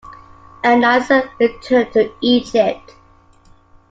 An-Nasir returned to Egypt.